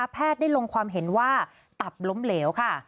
แพทย์ได้ลงความเห็นว่าตับล้มเหลวค่ะ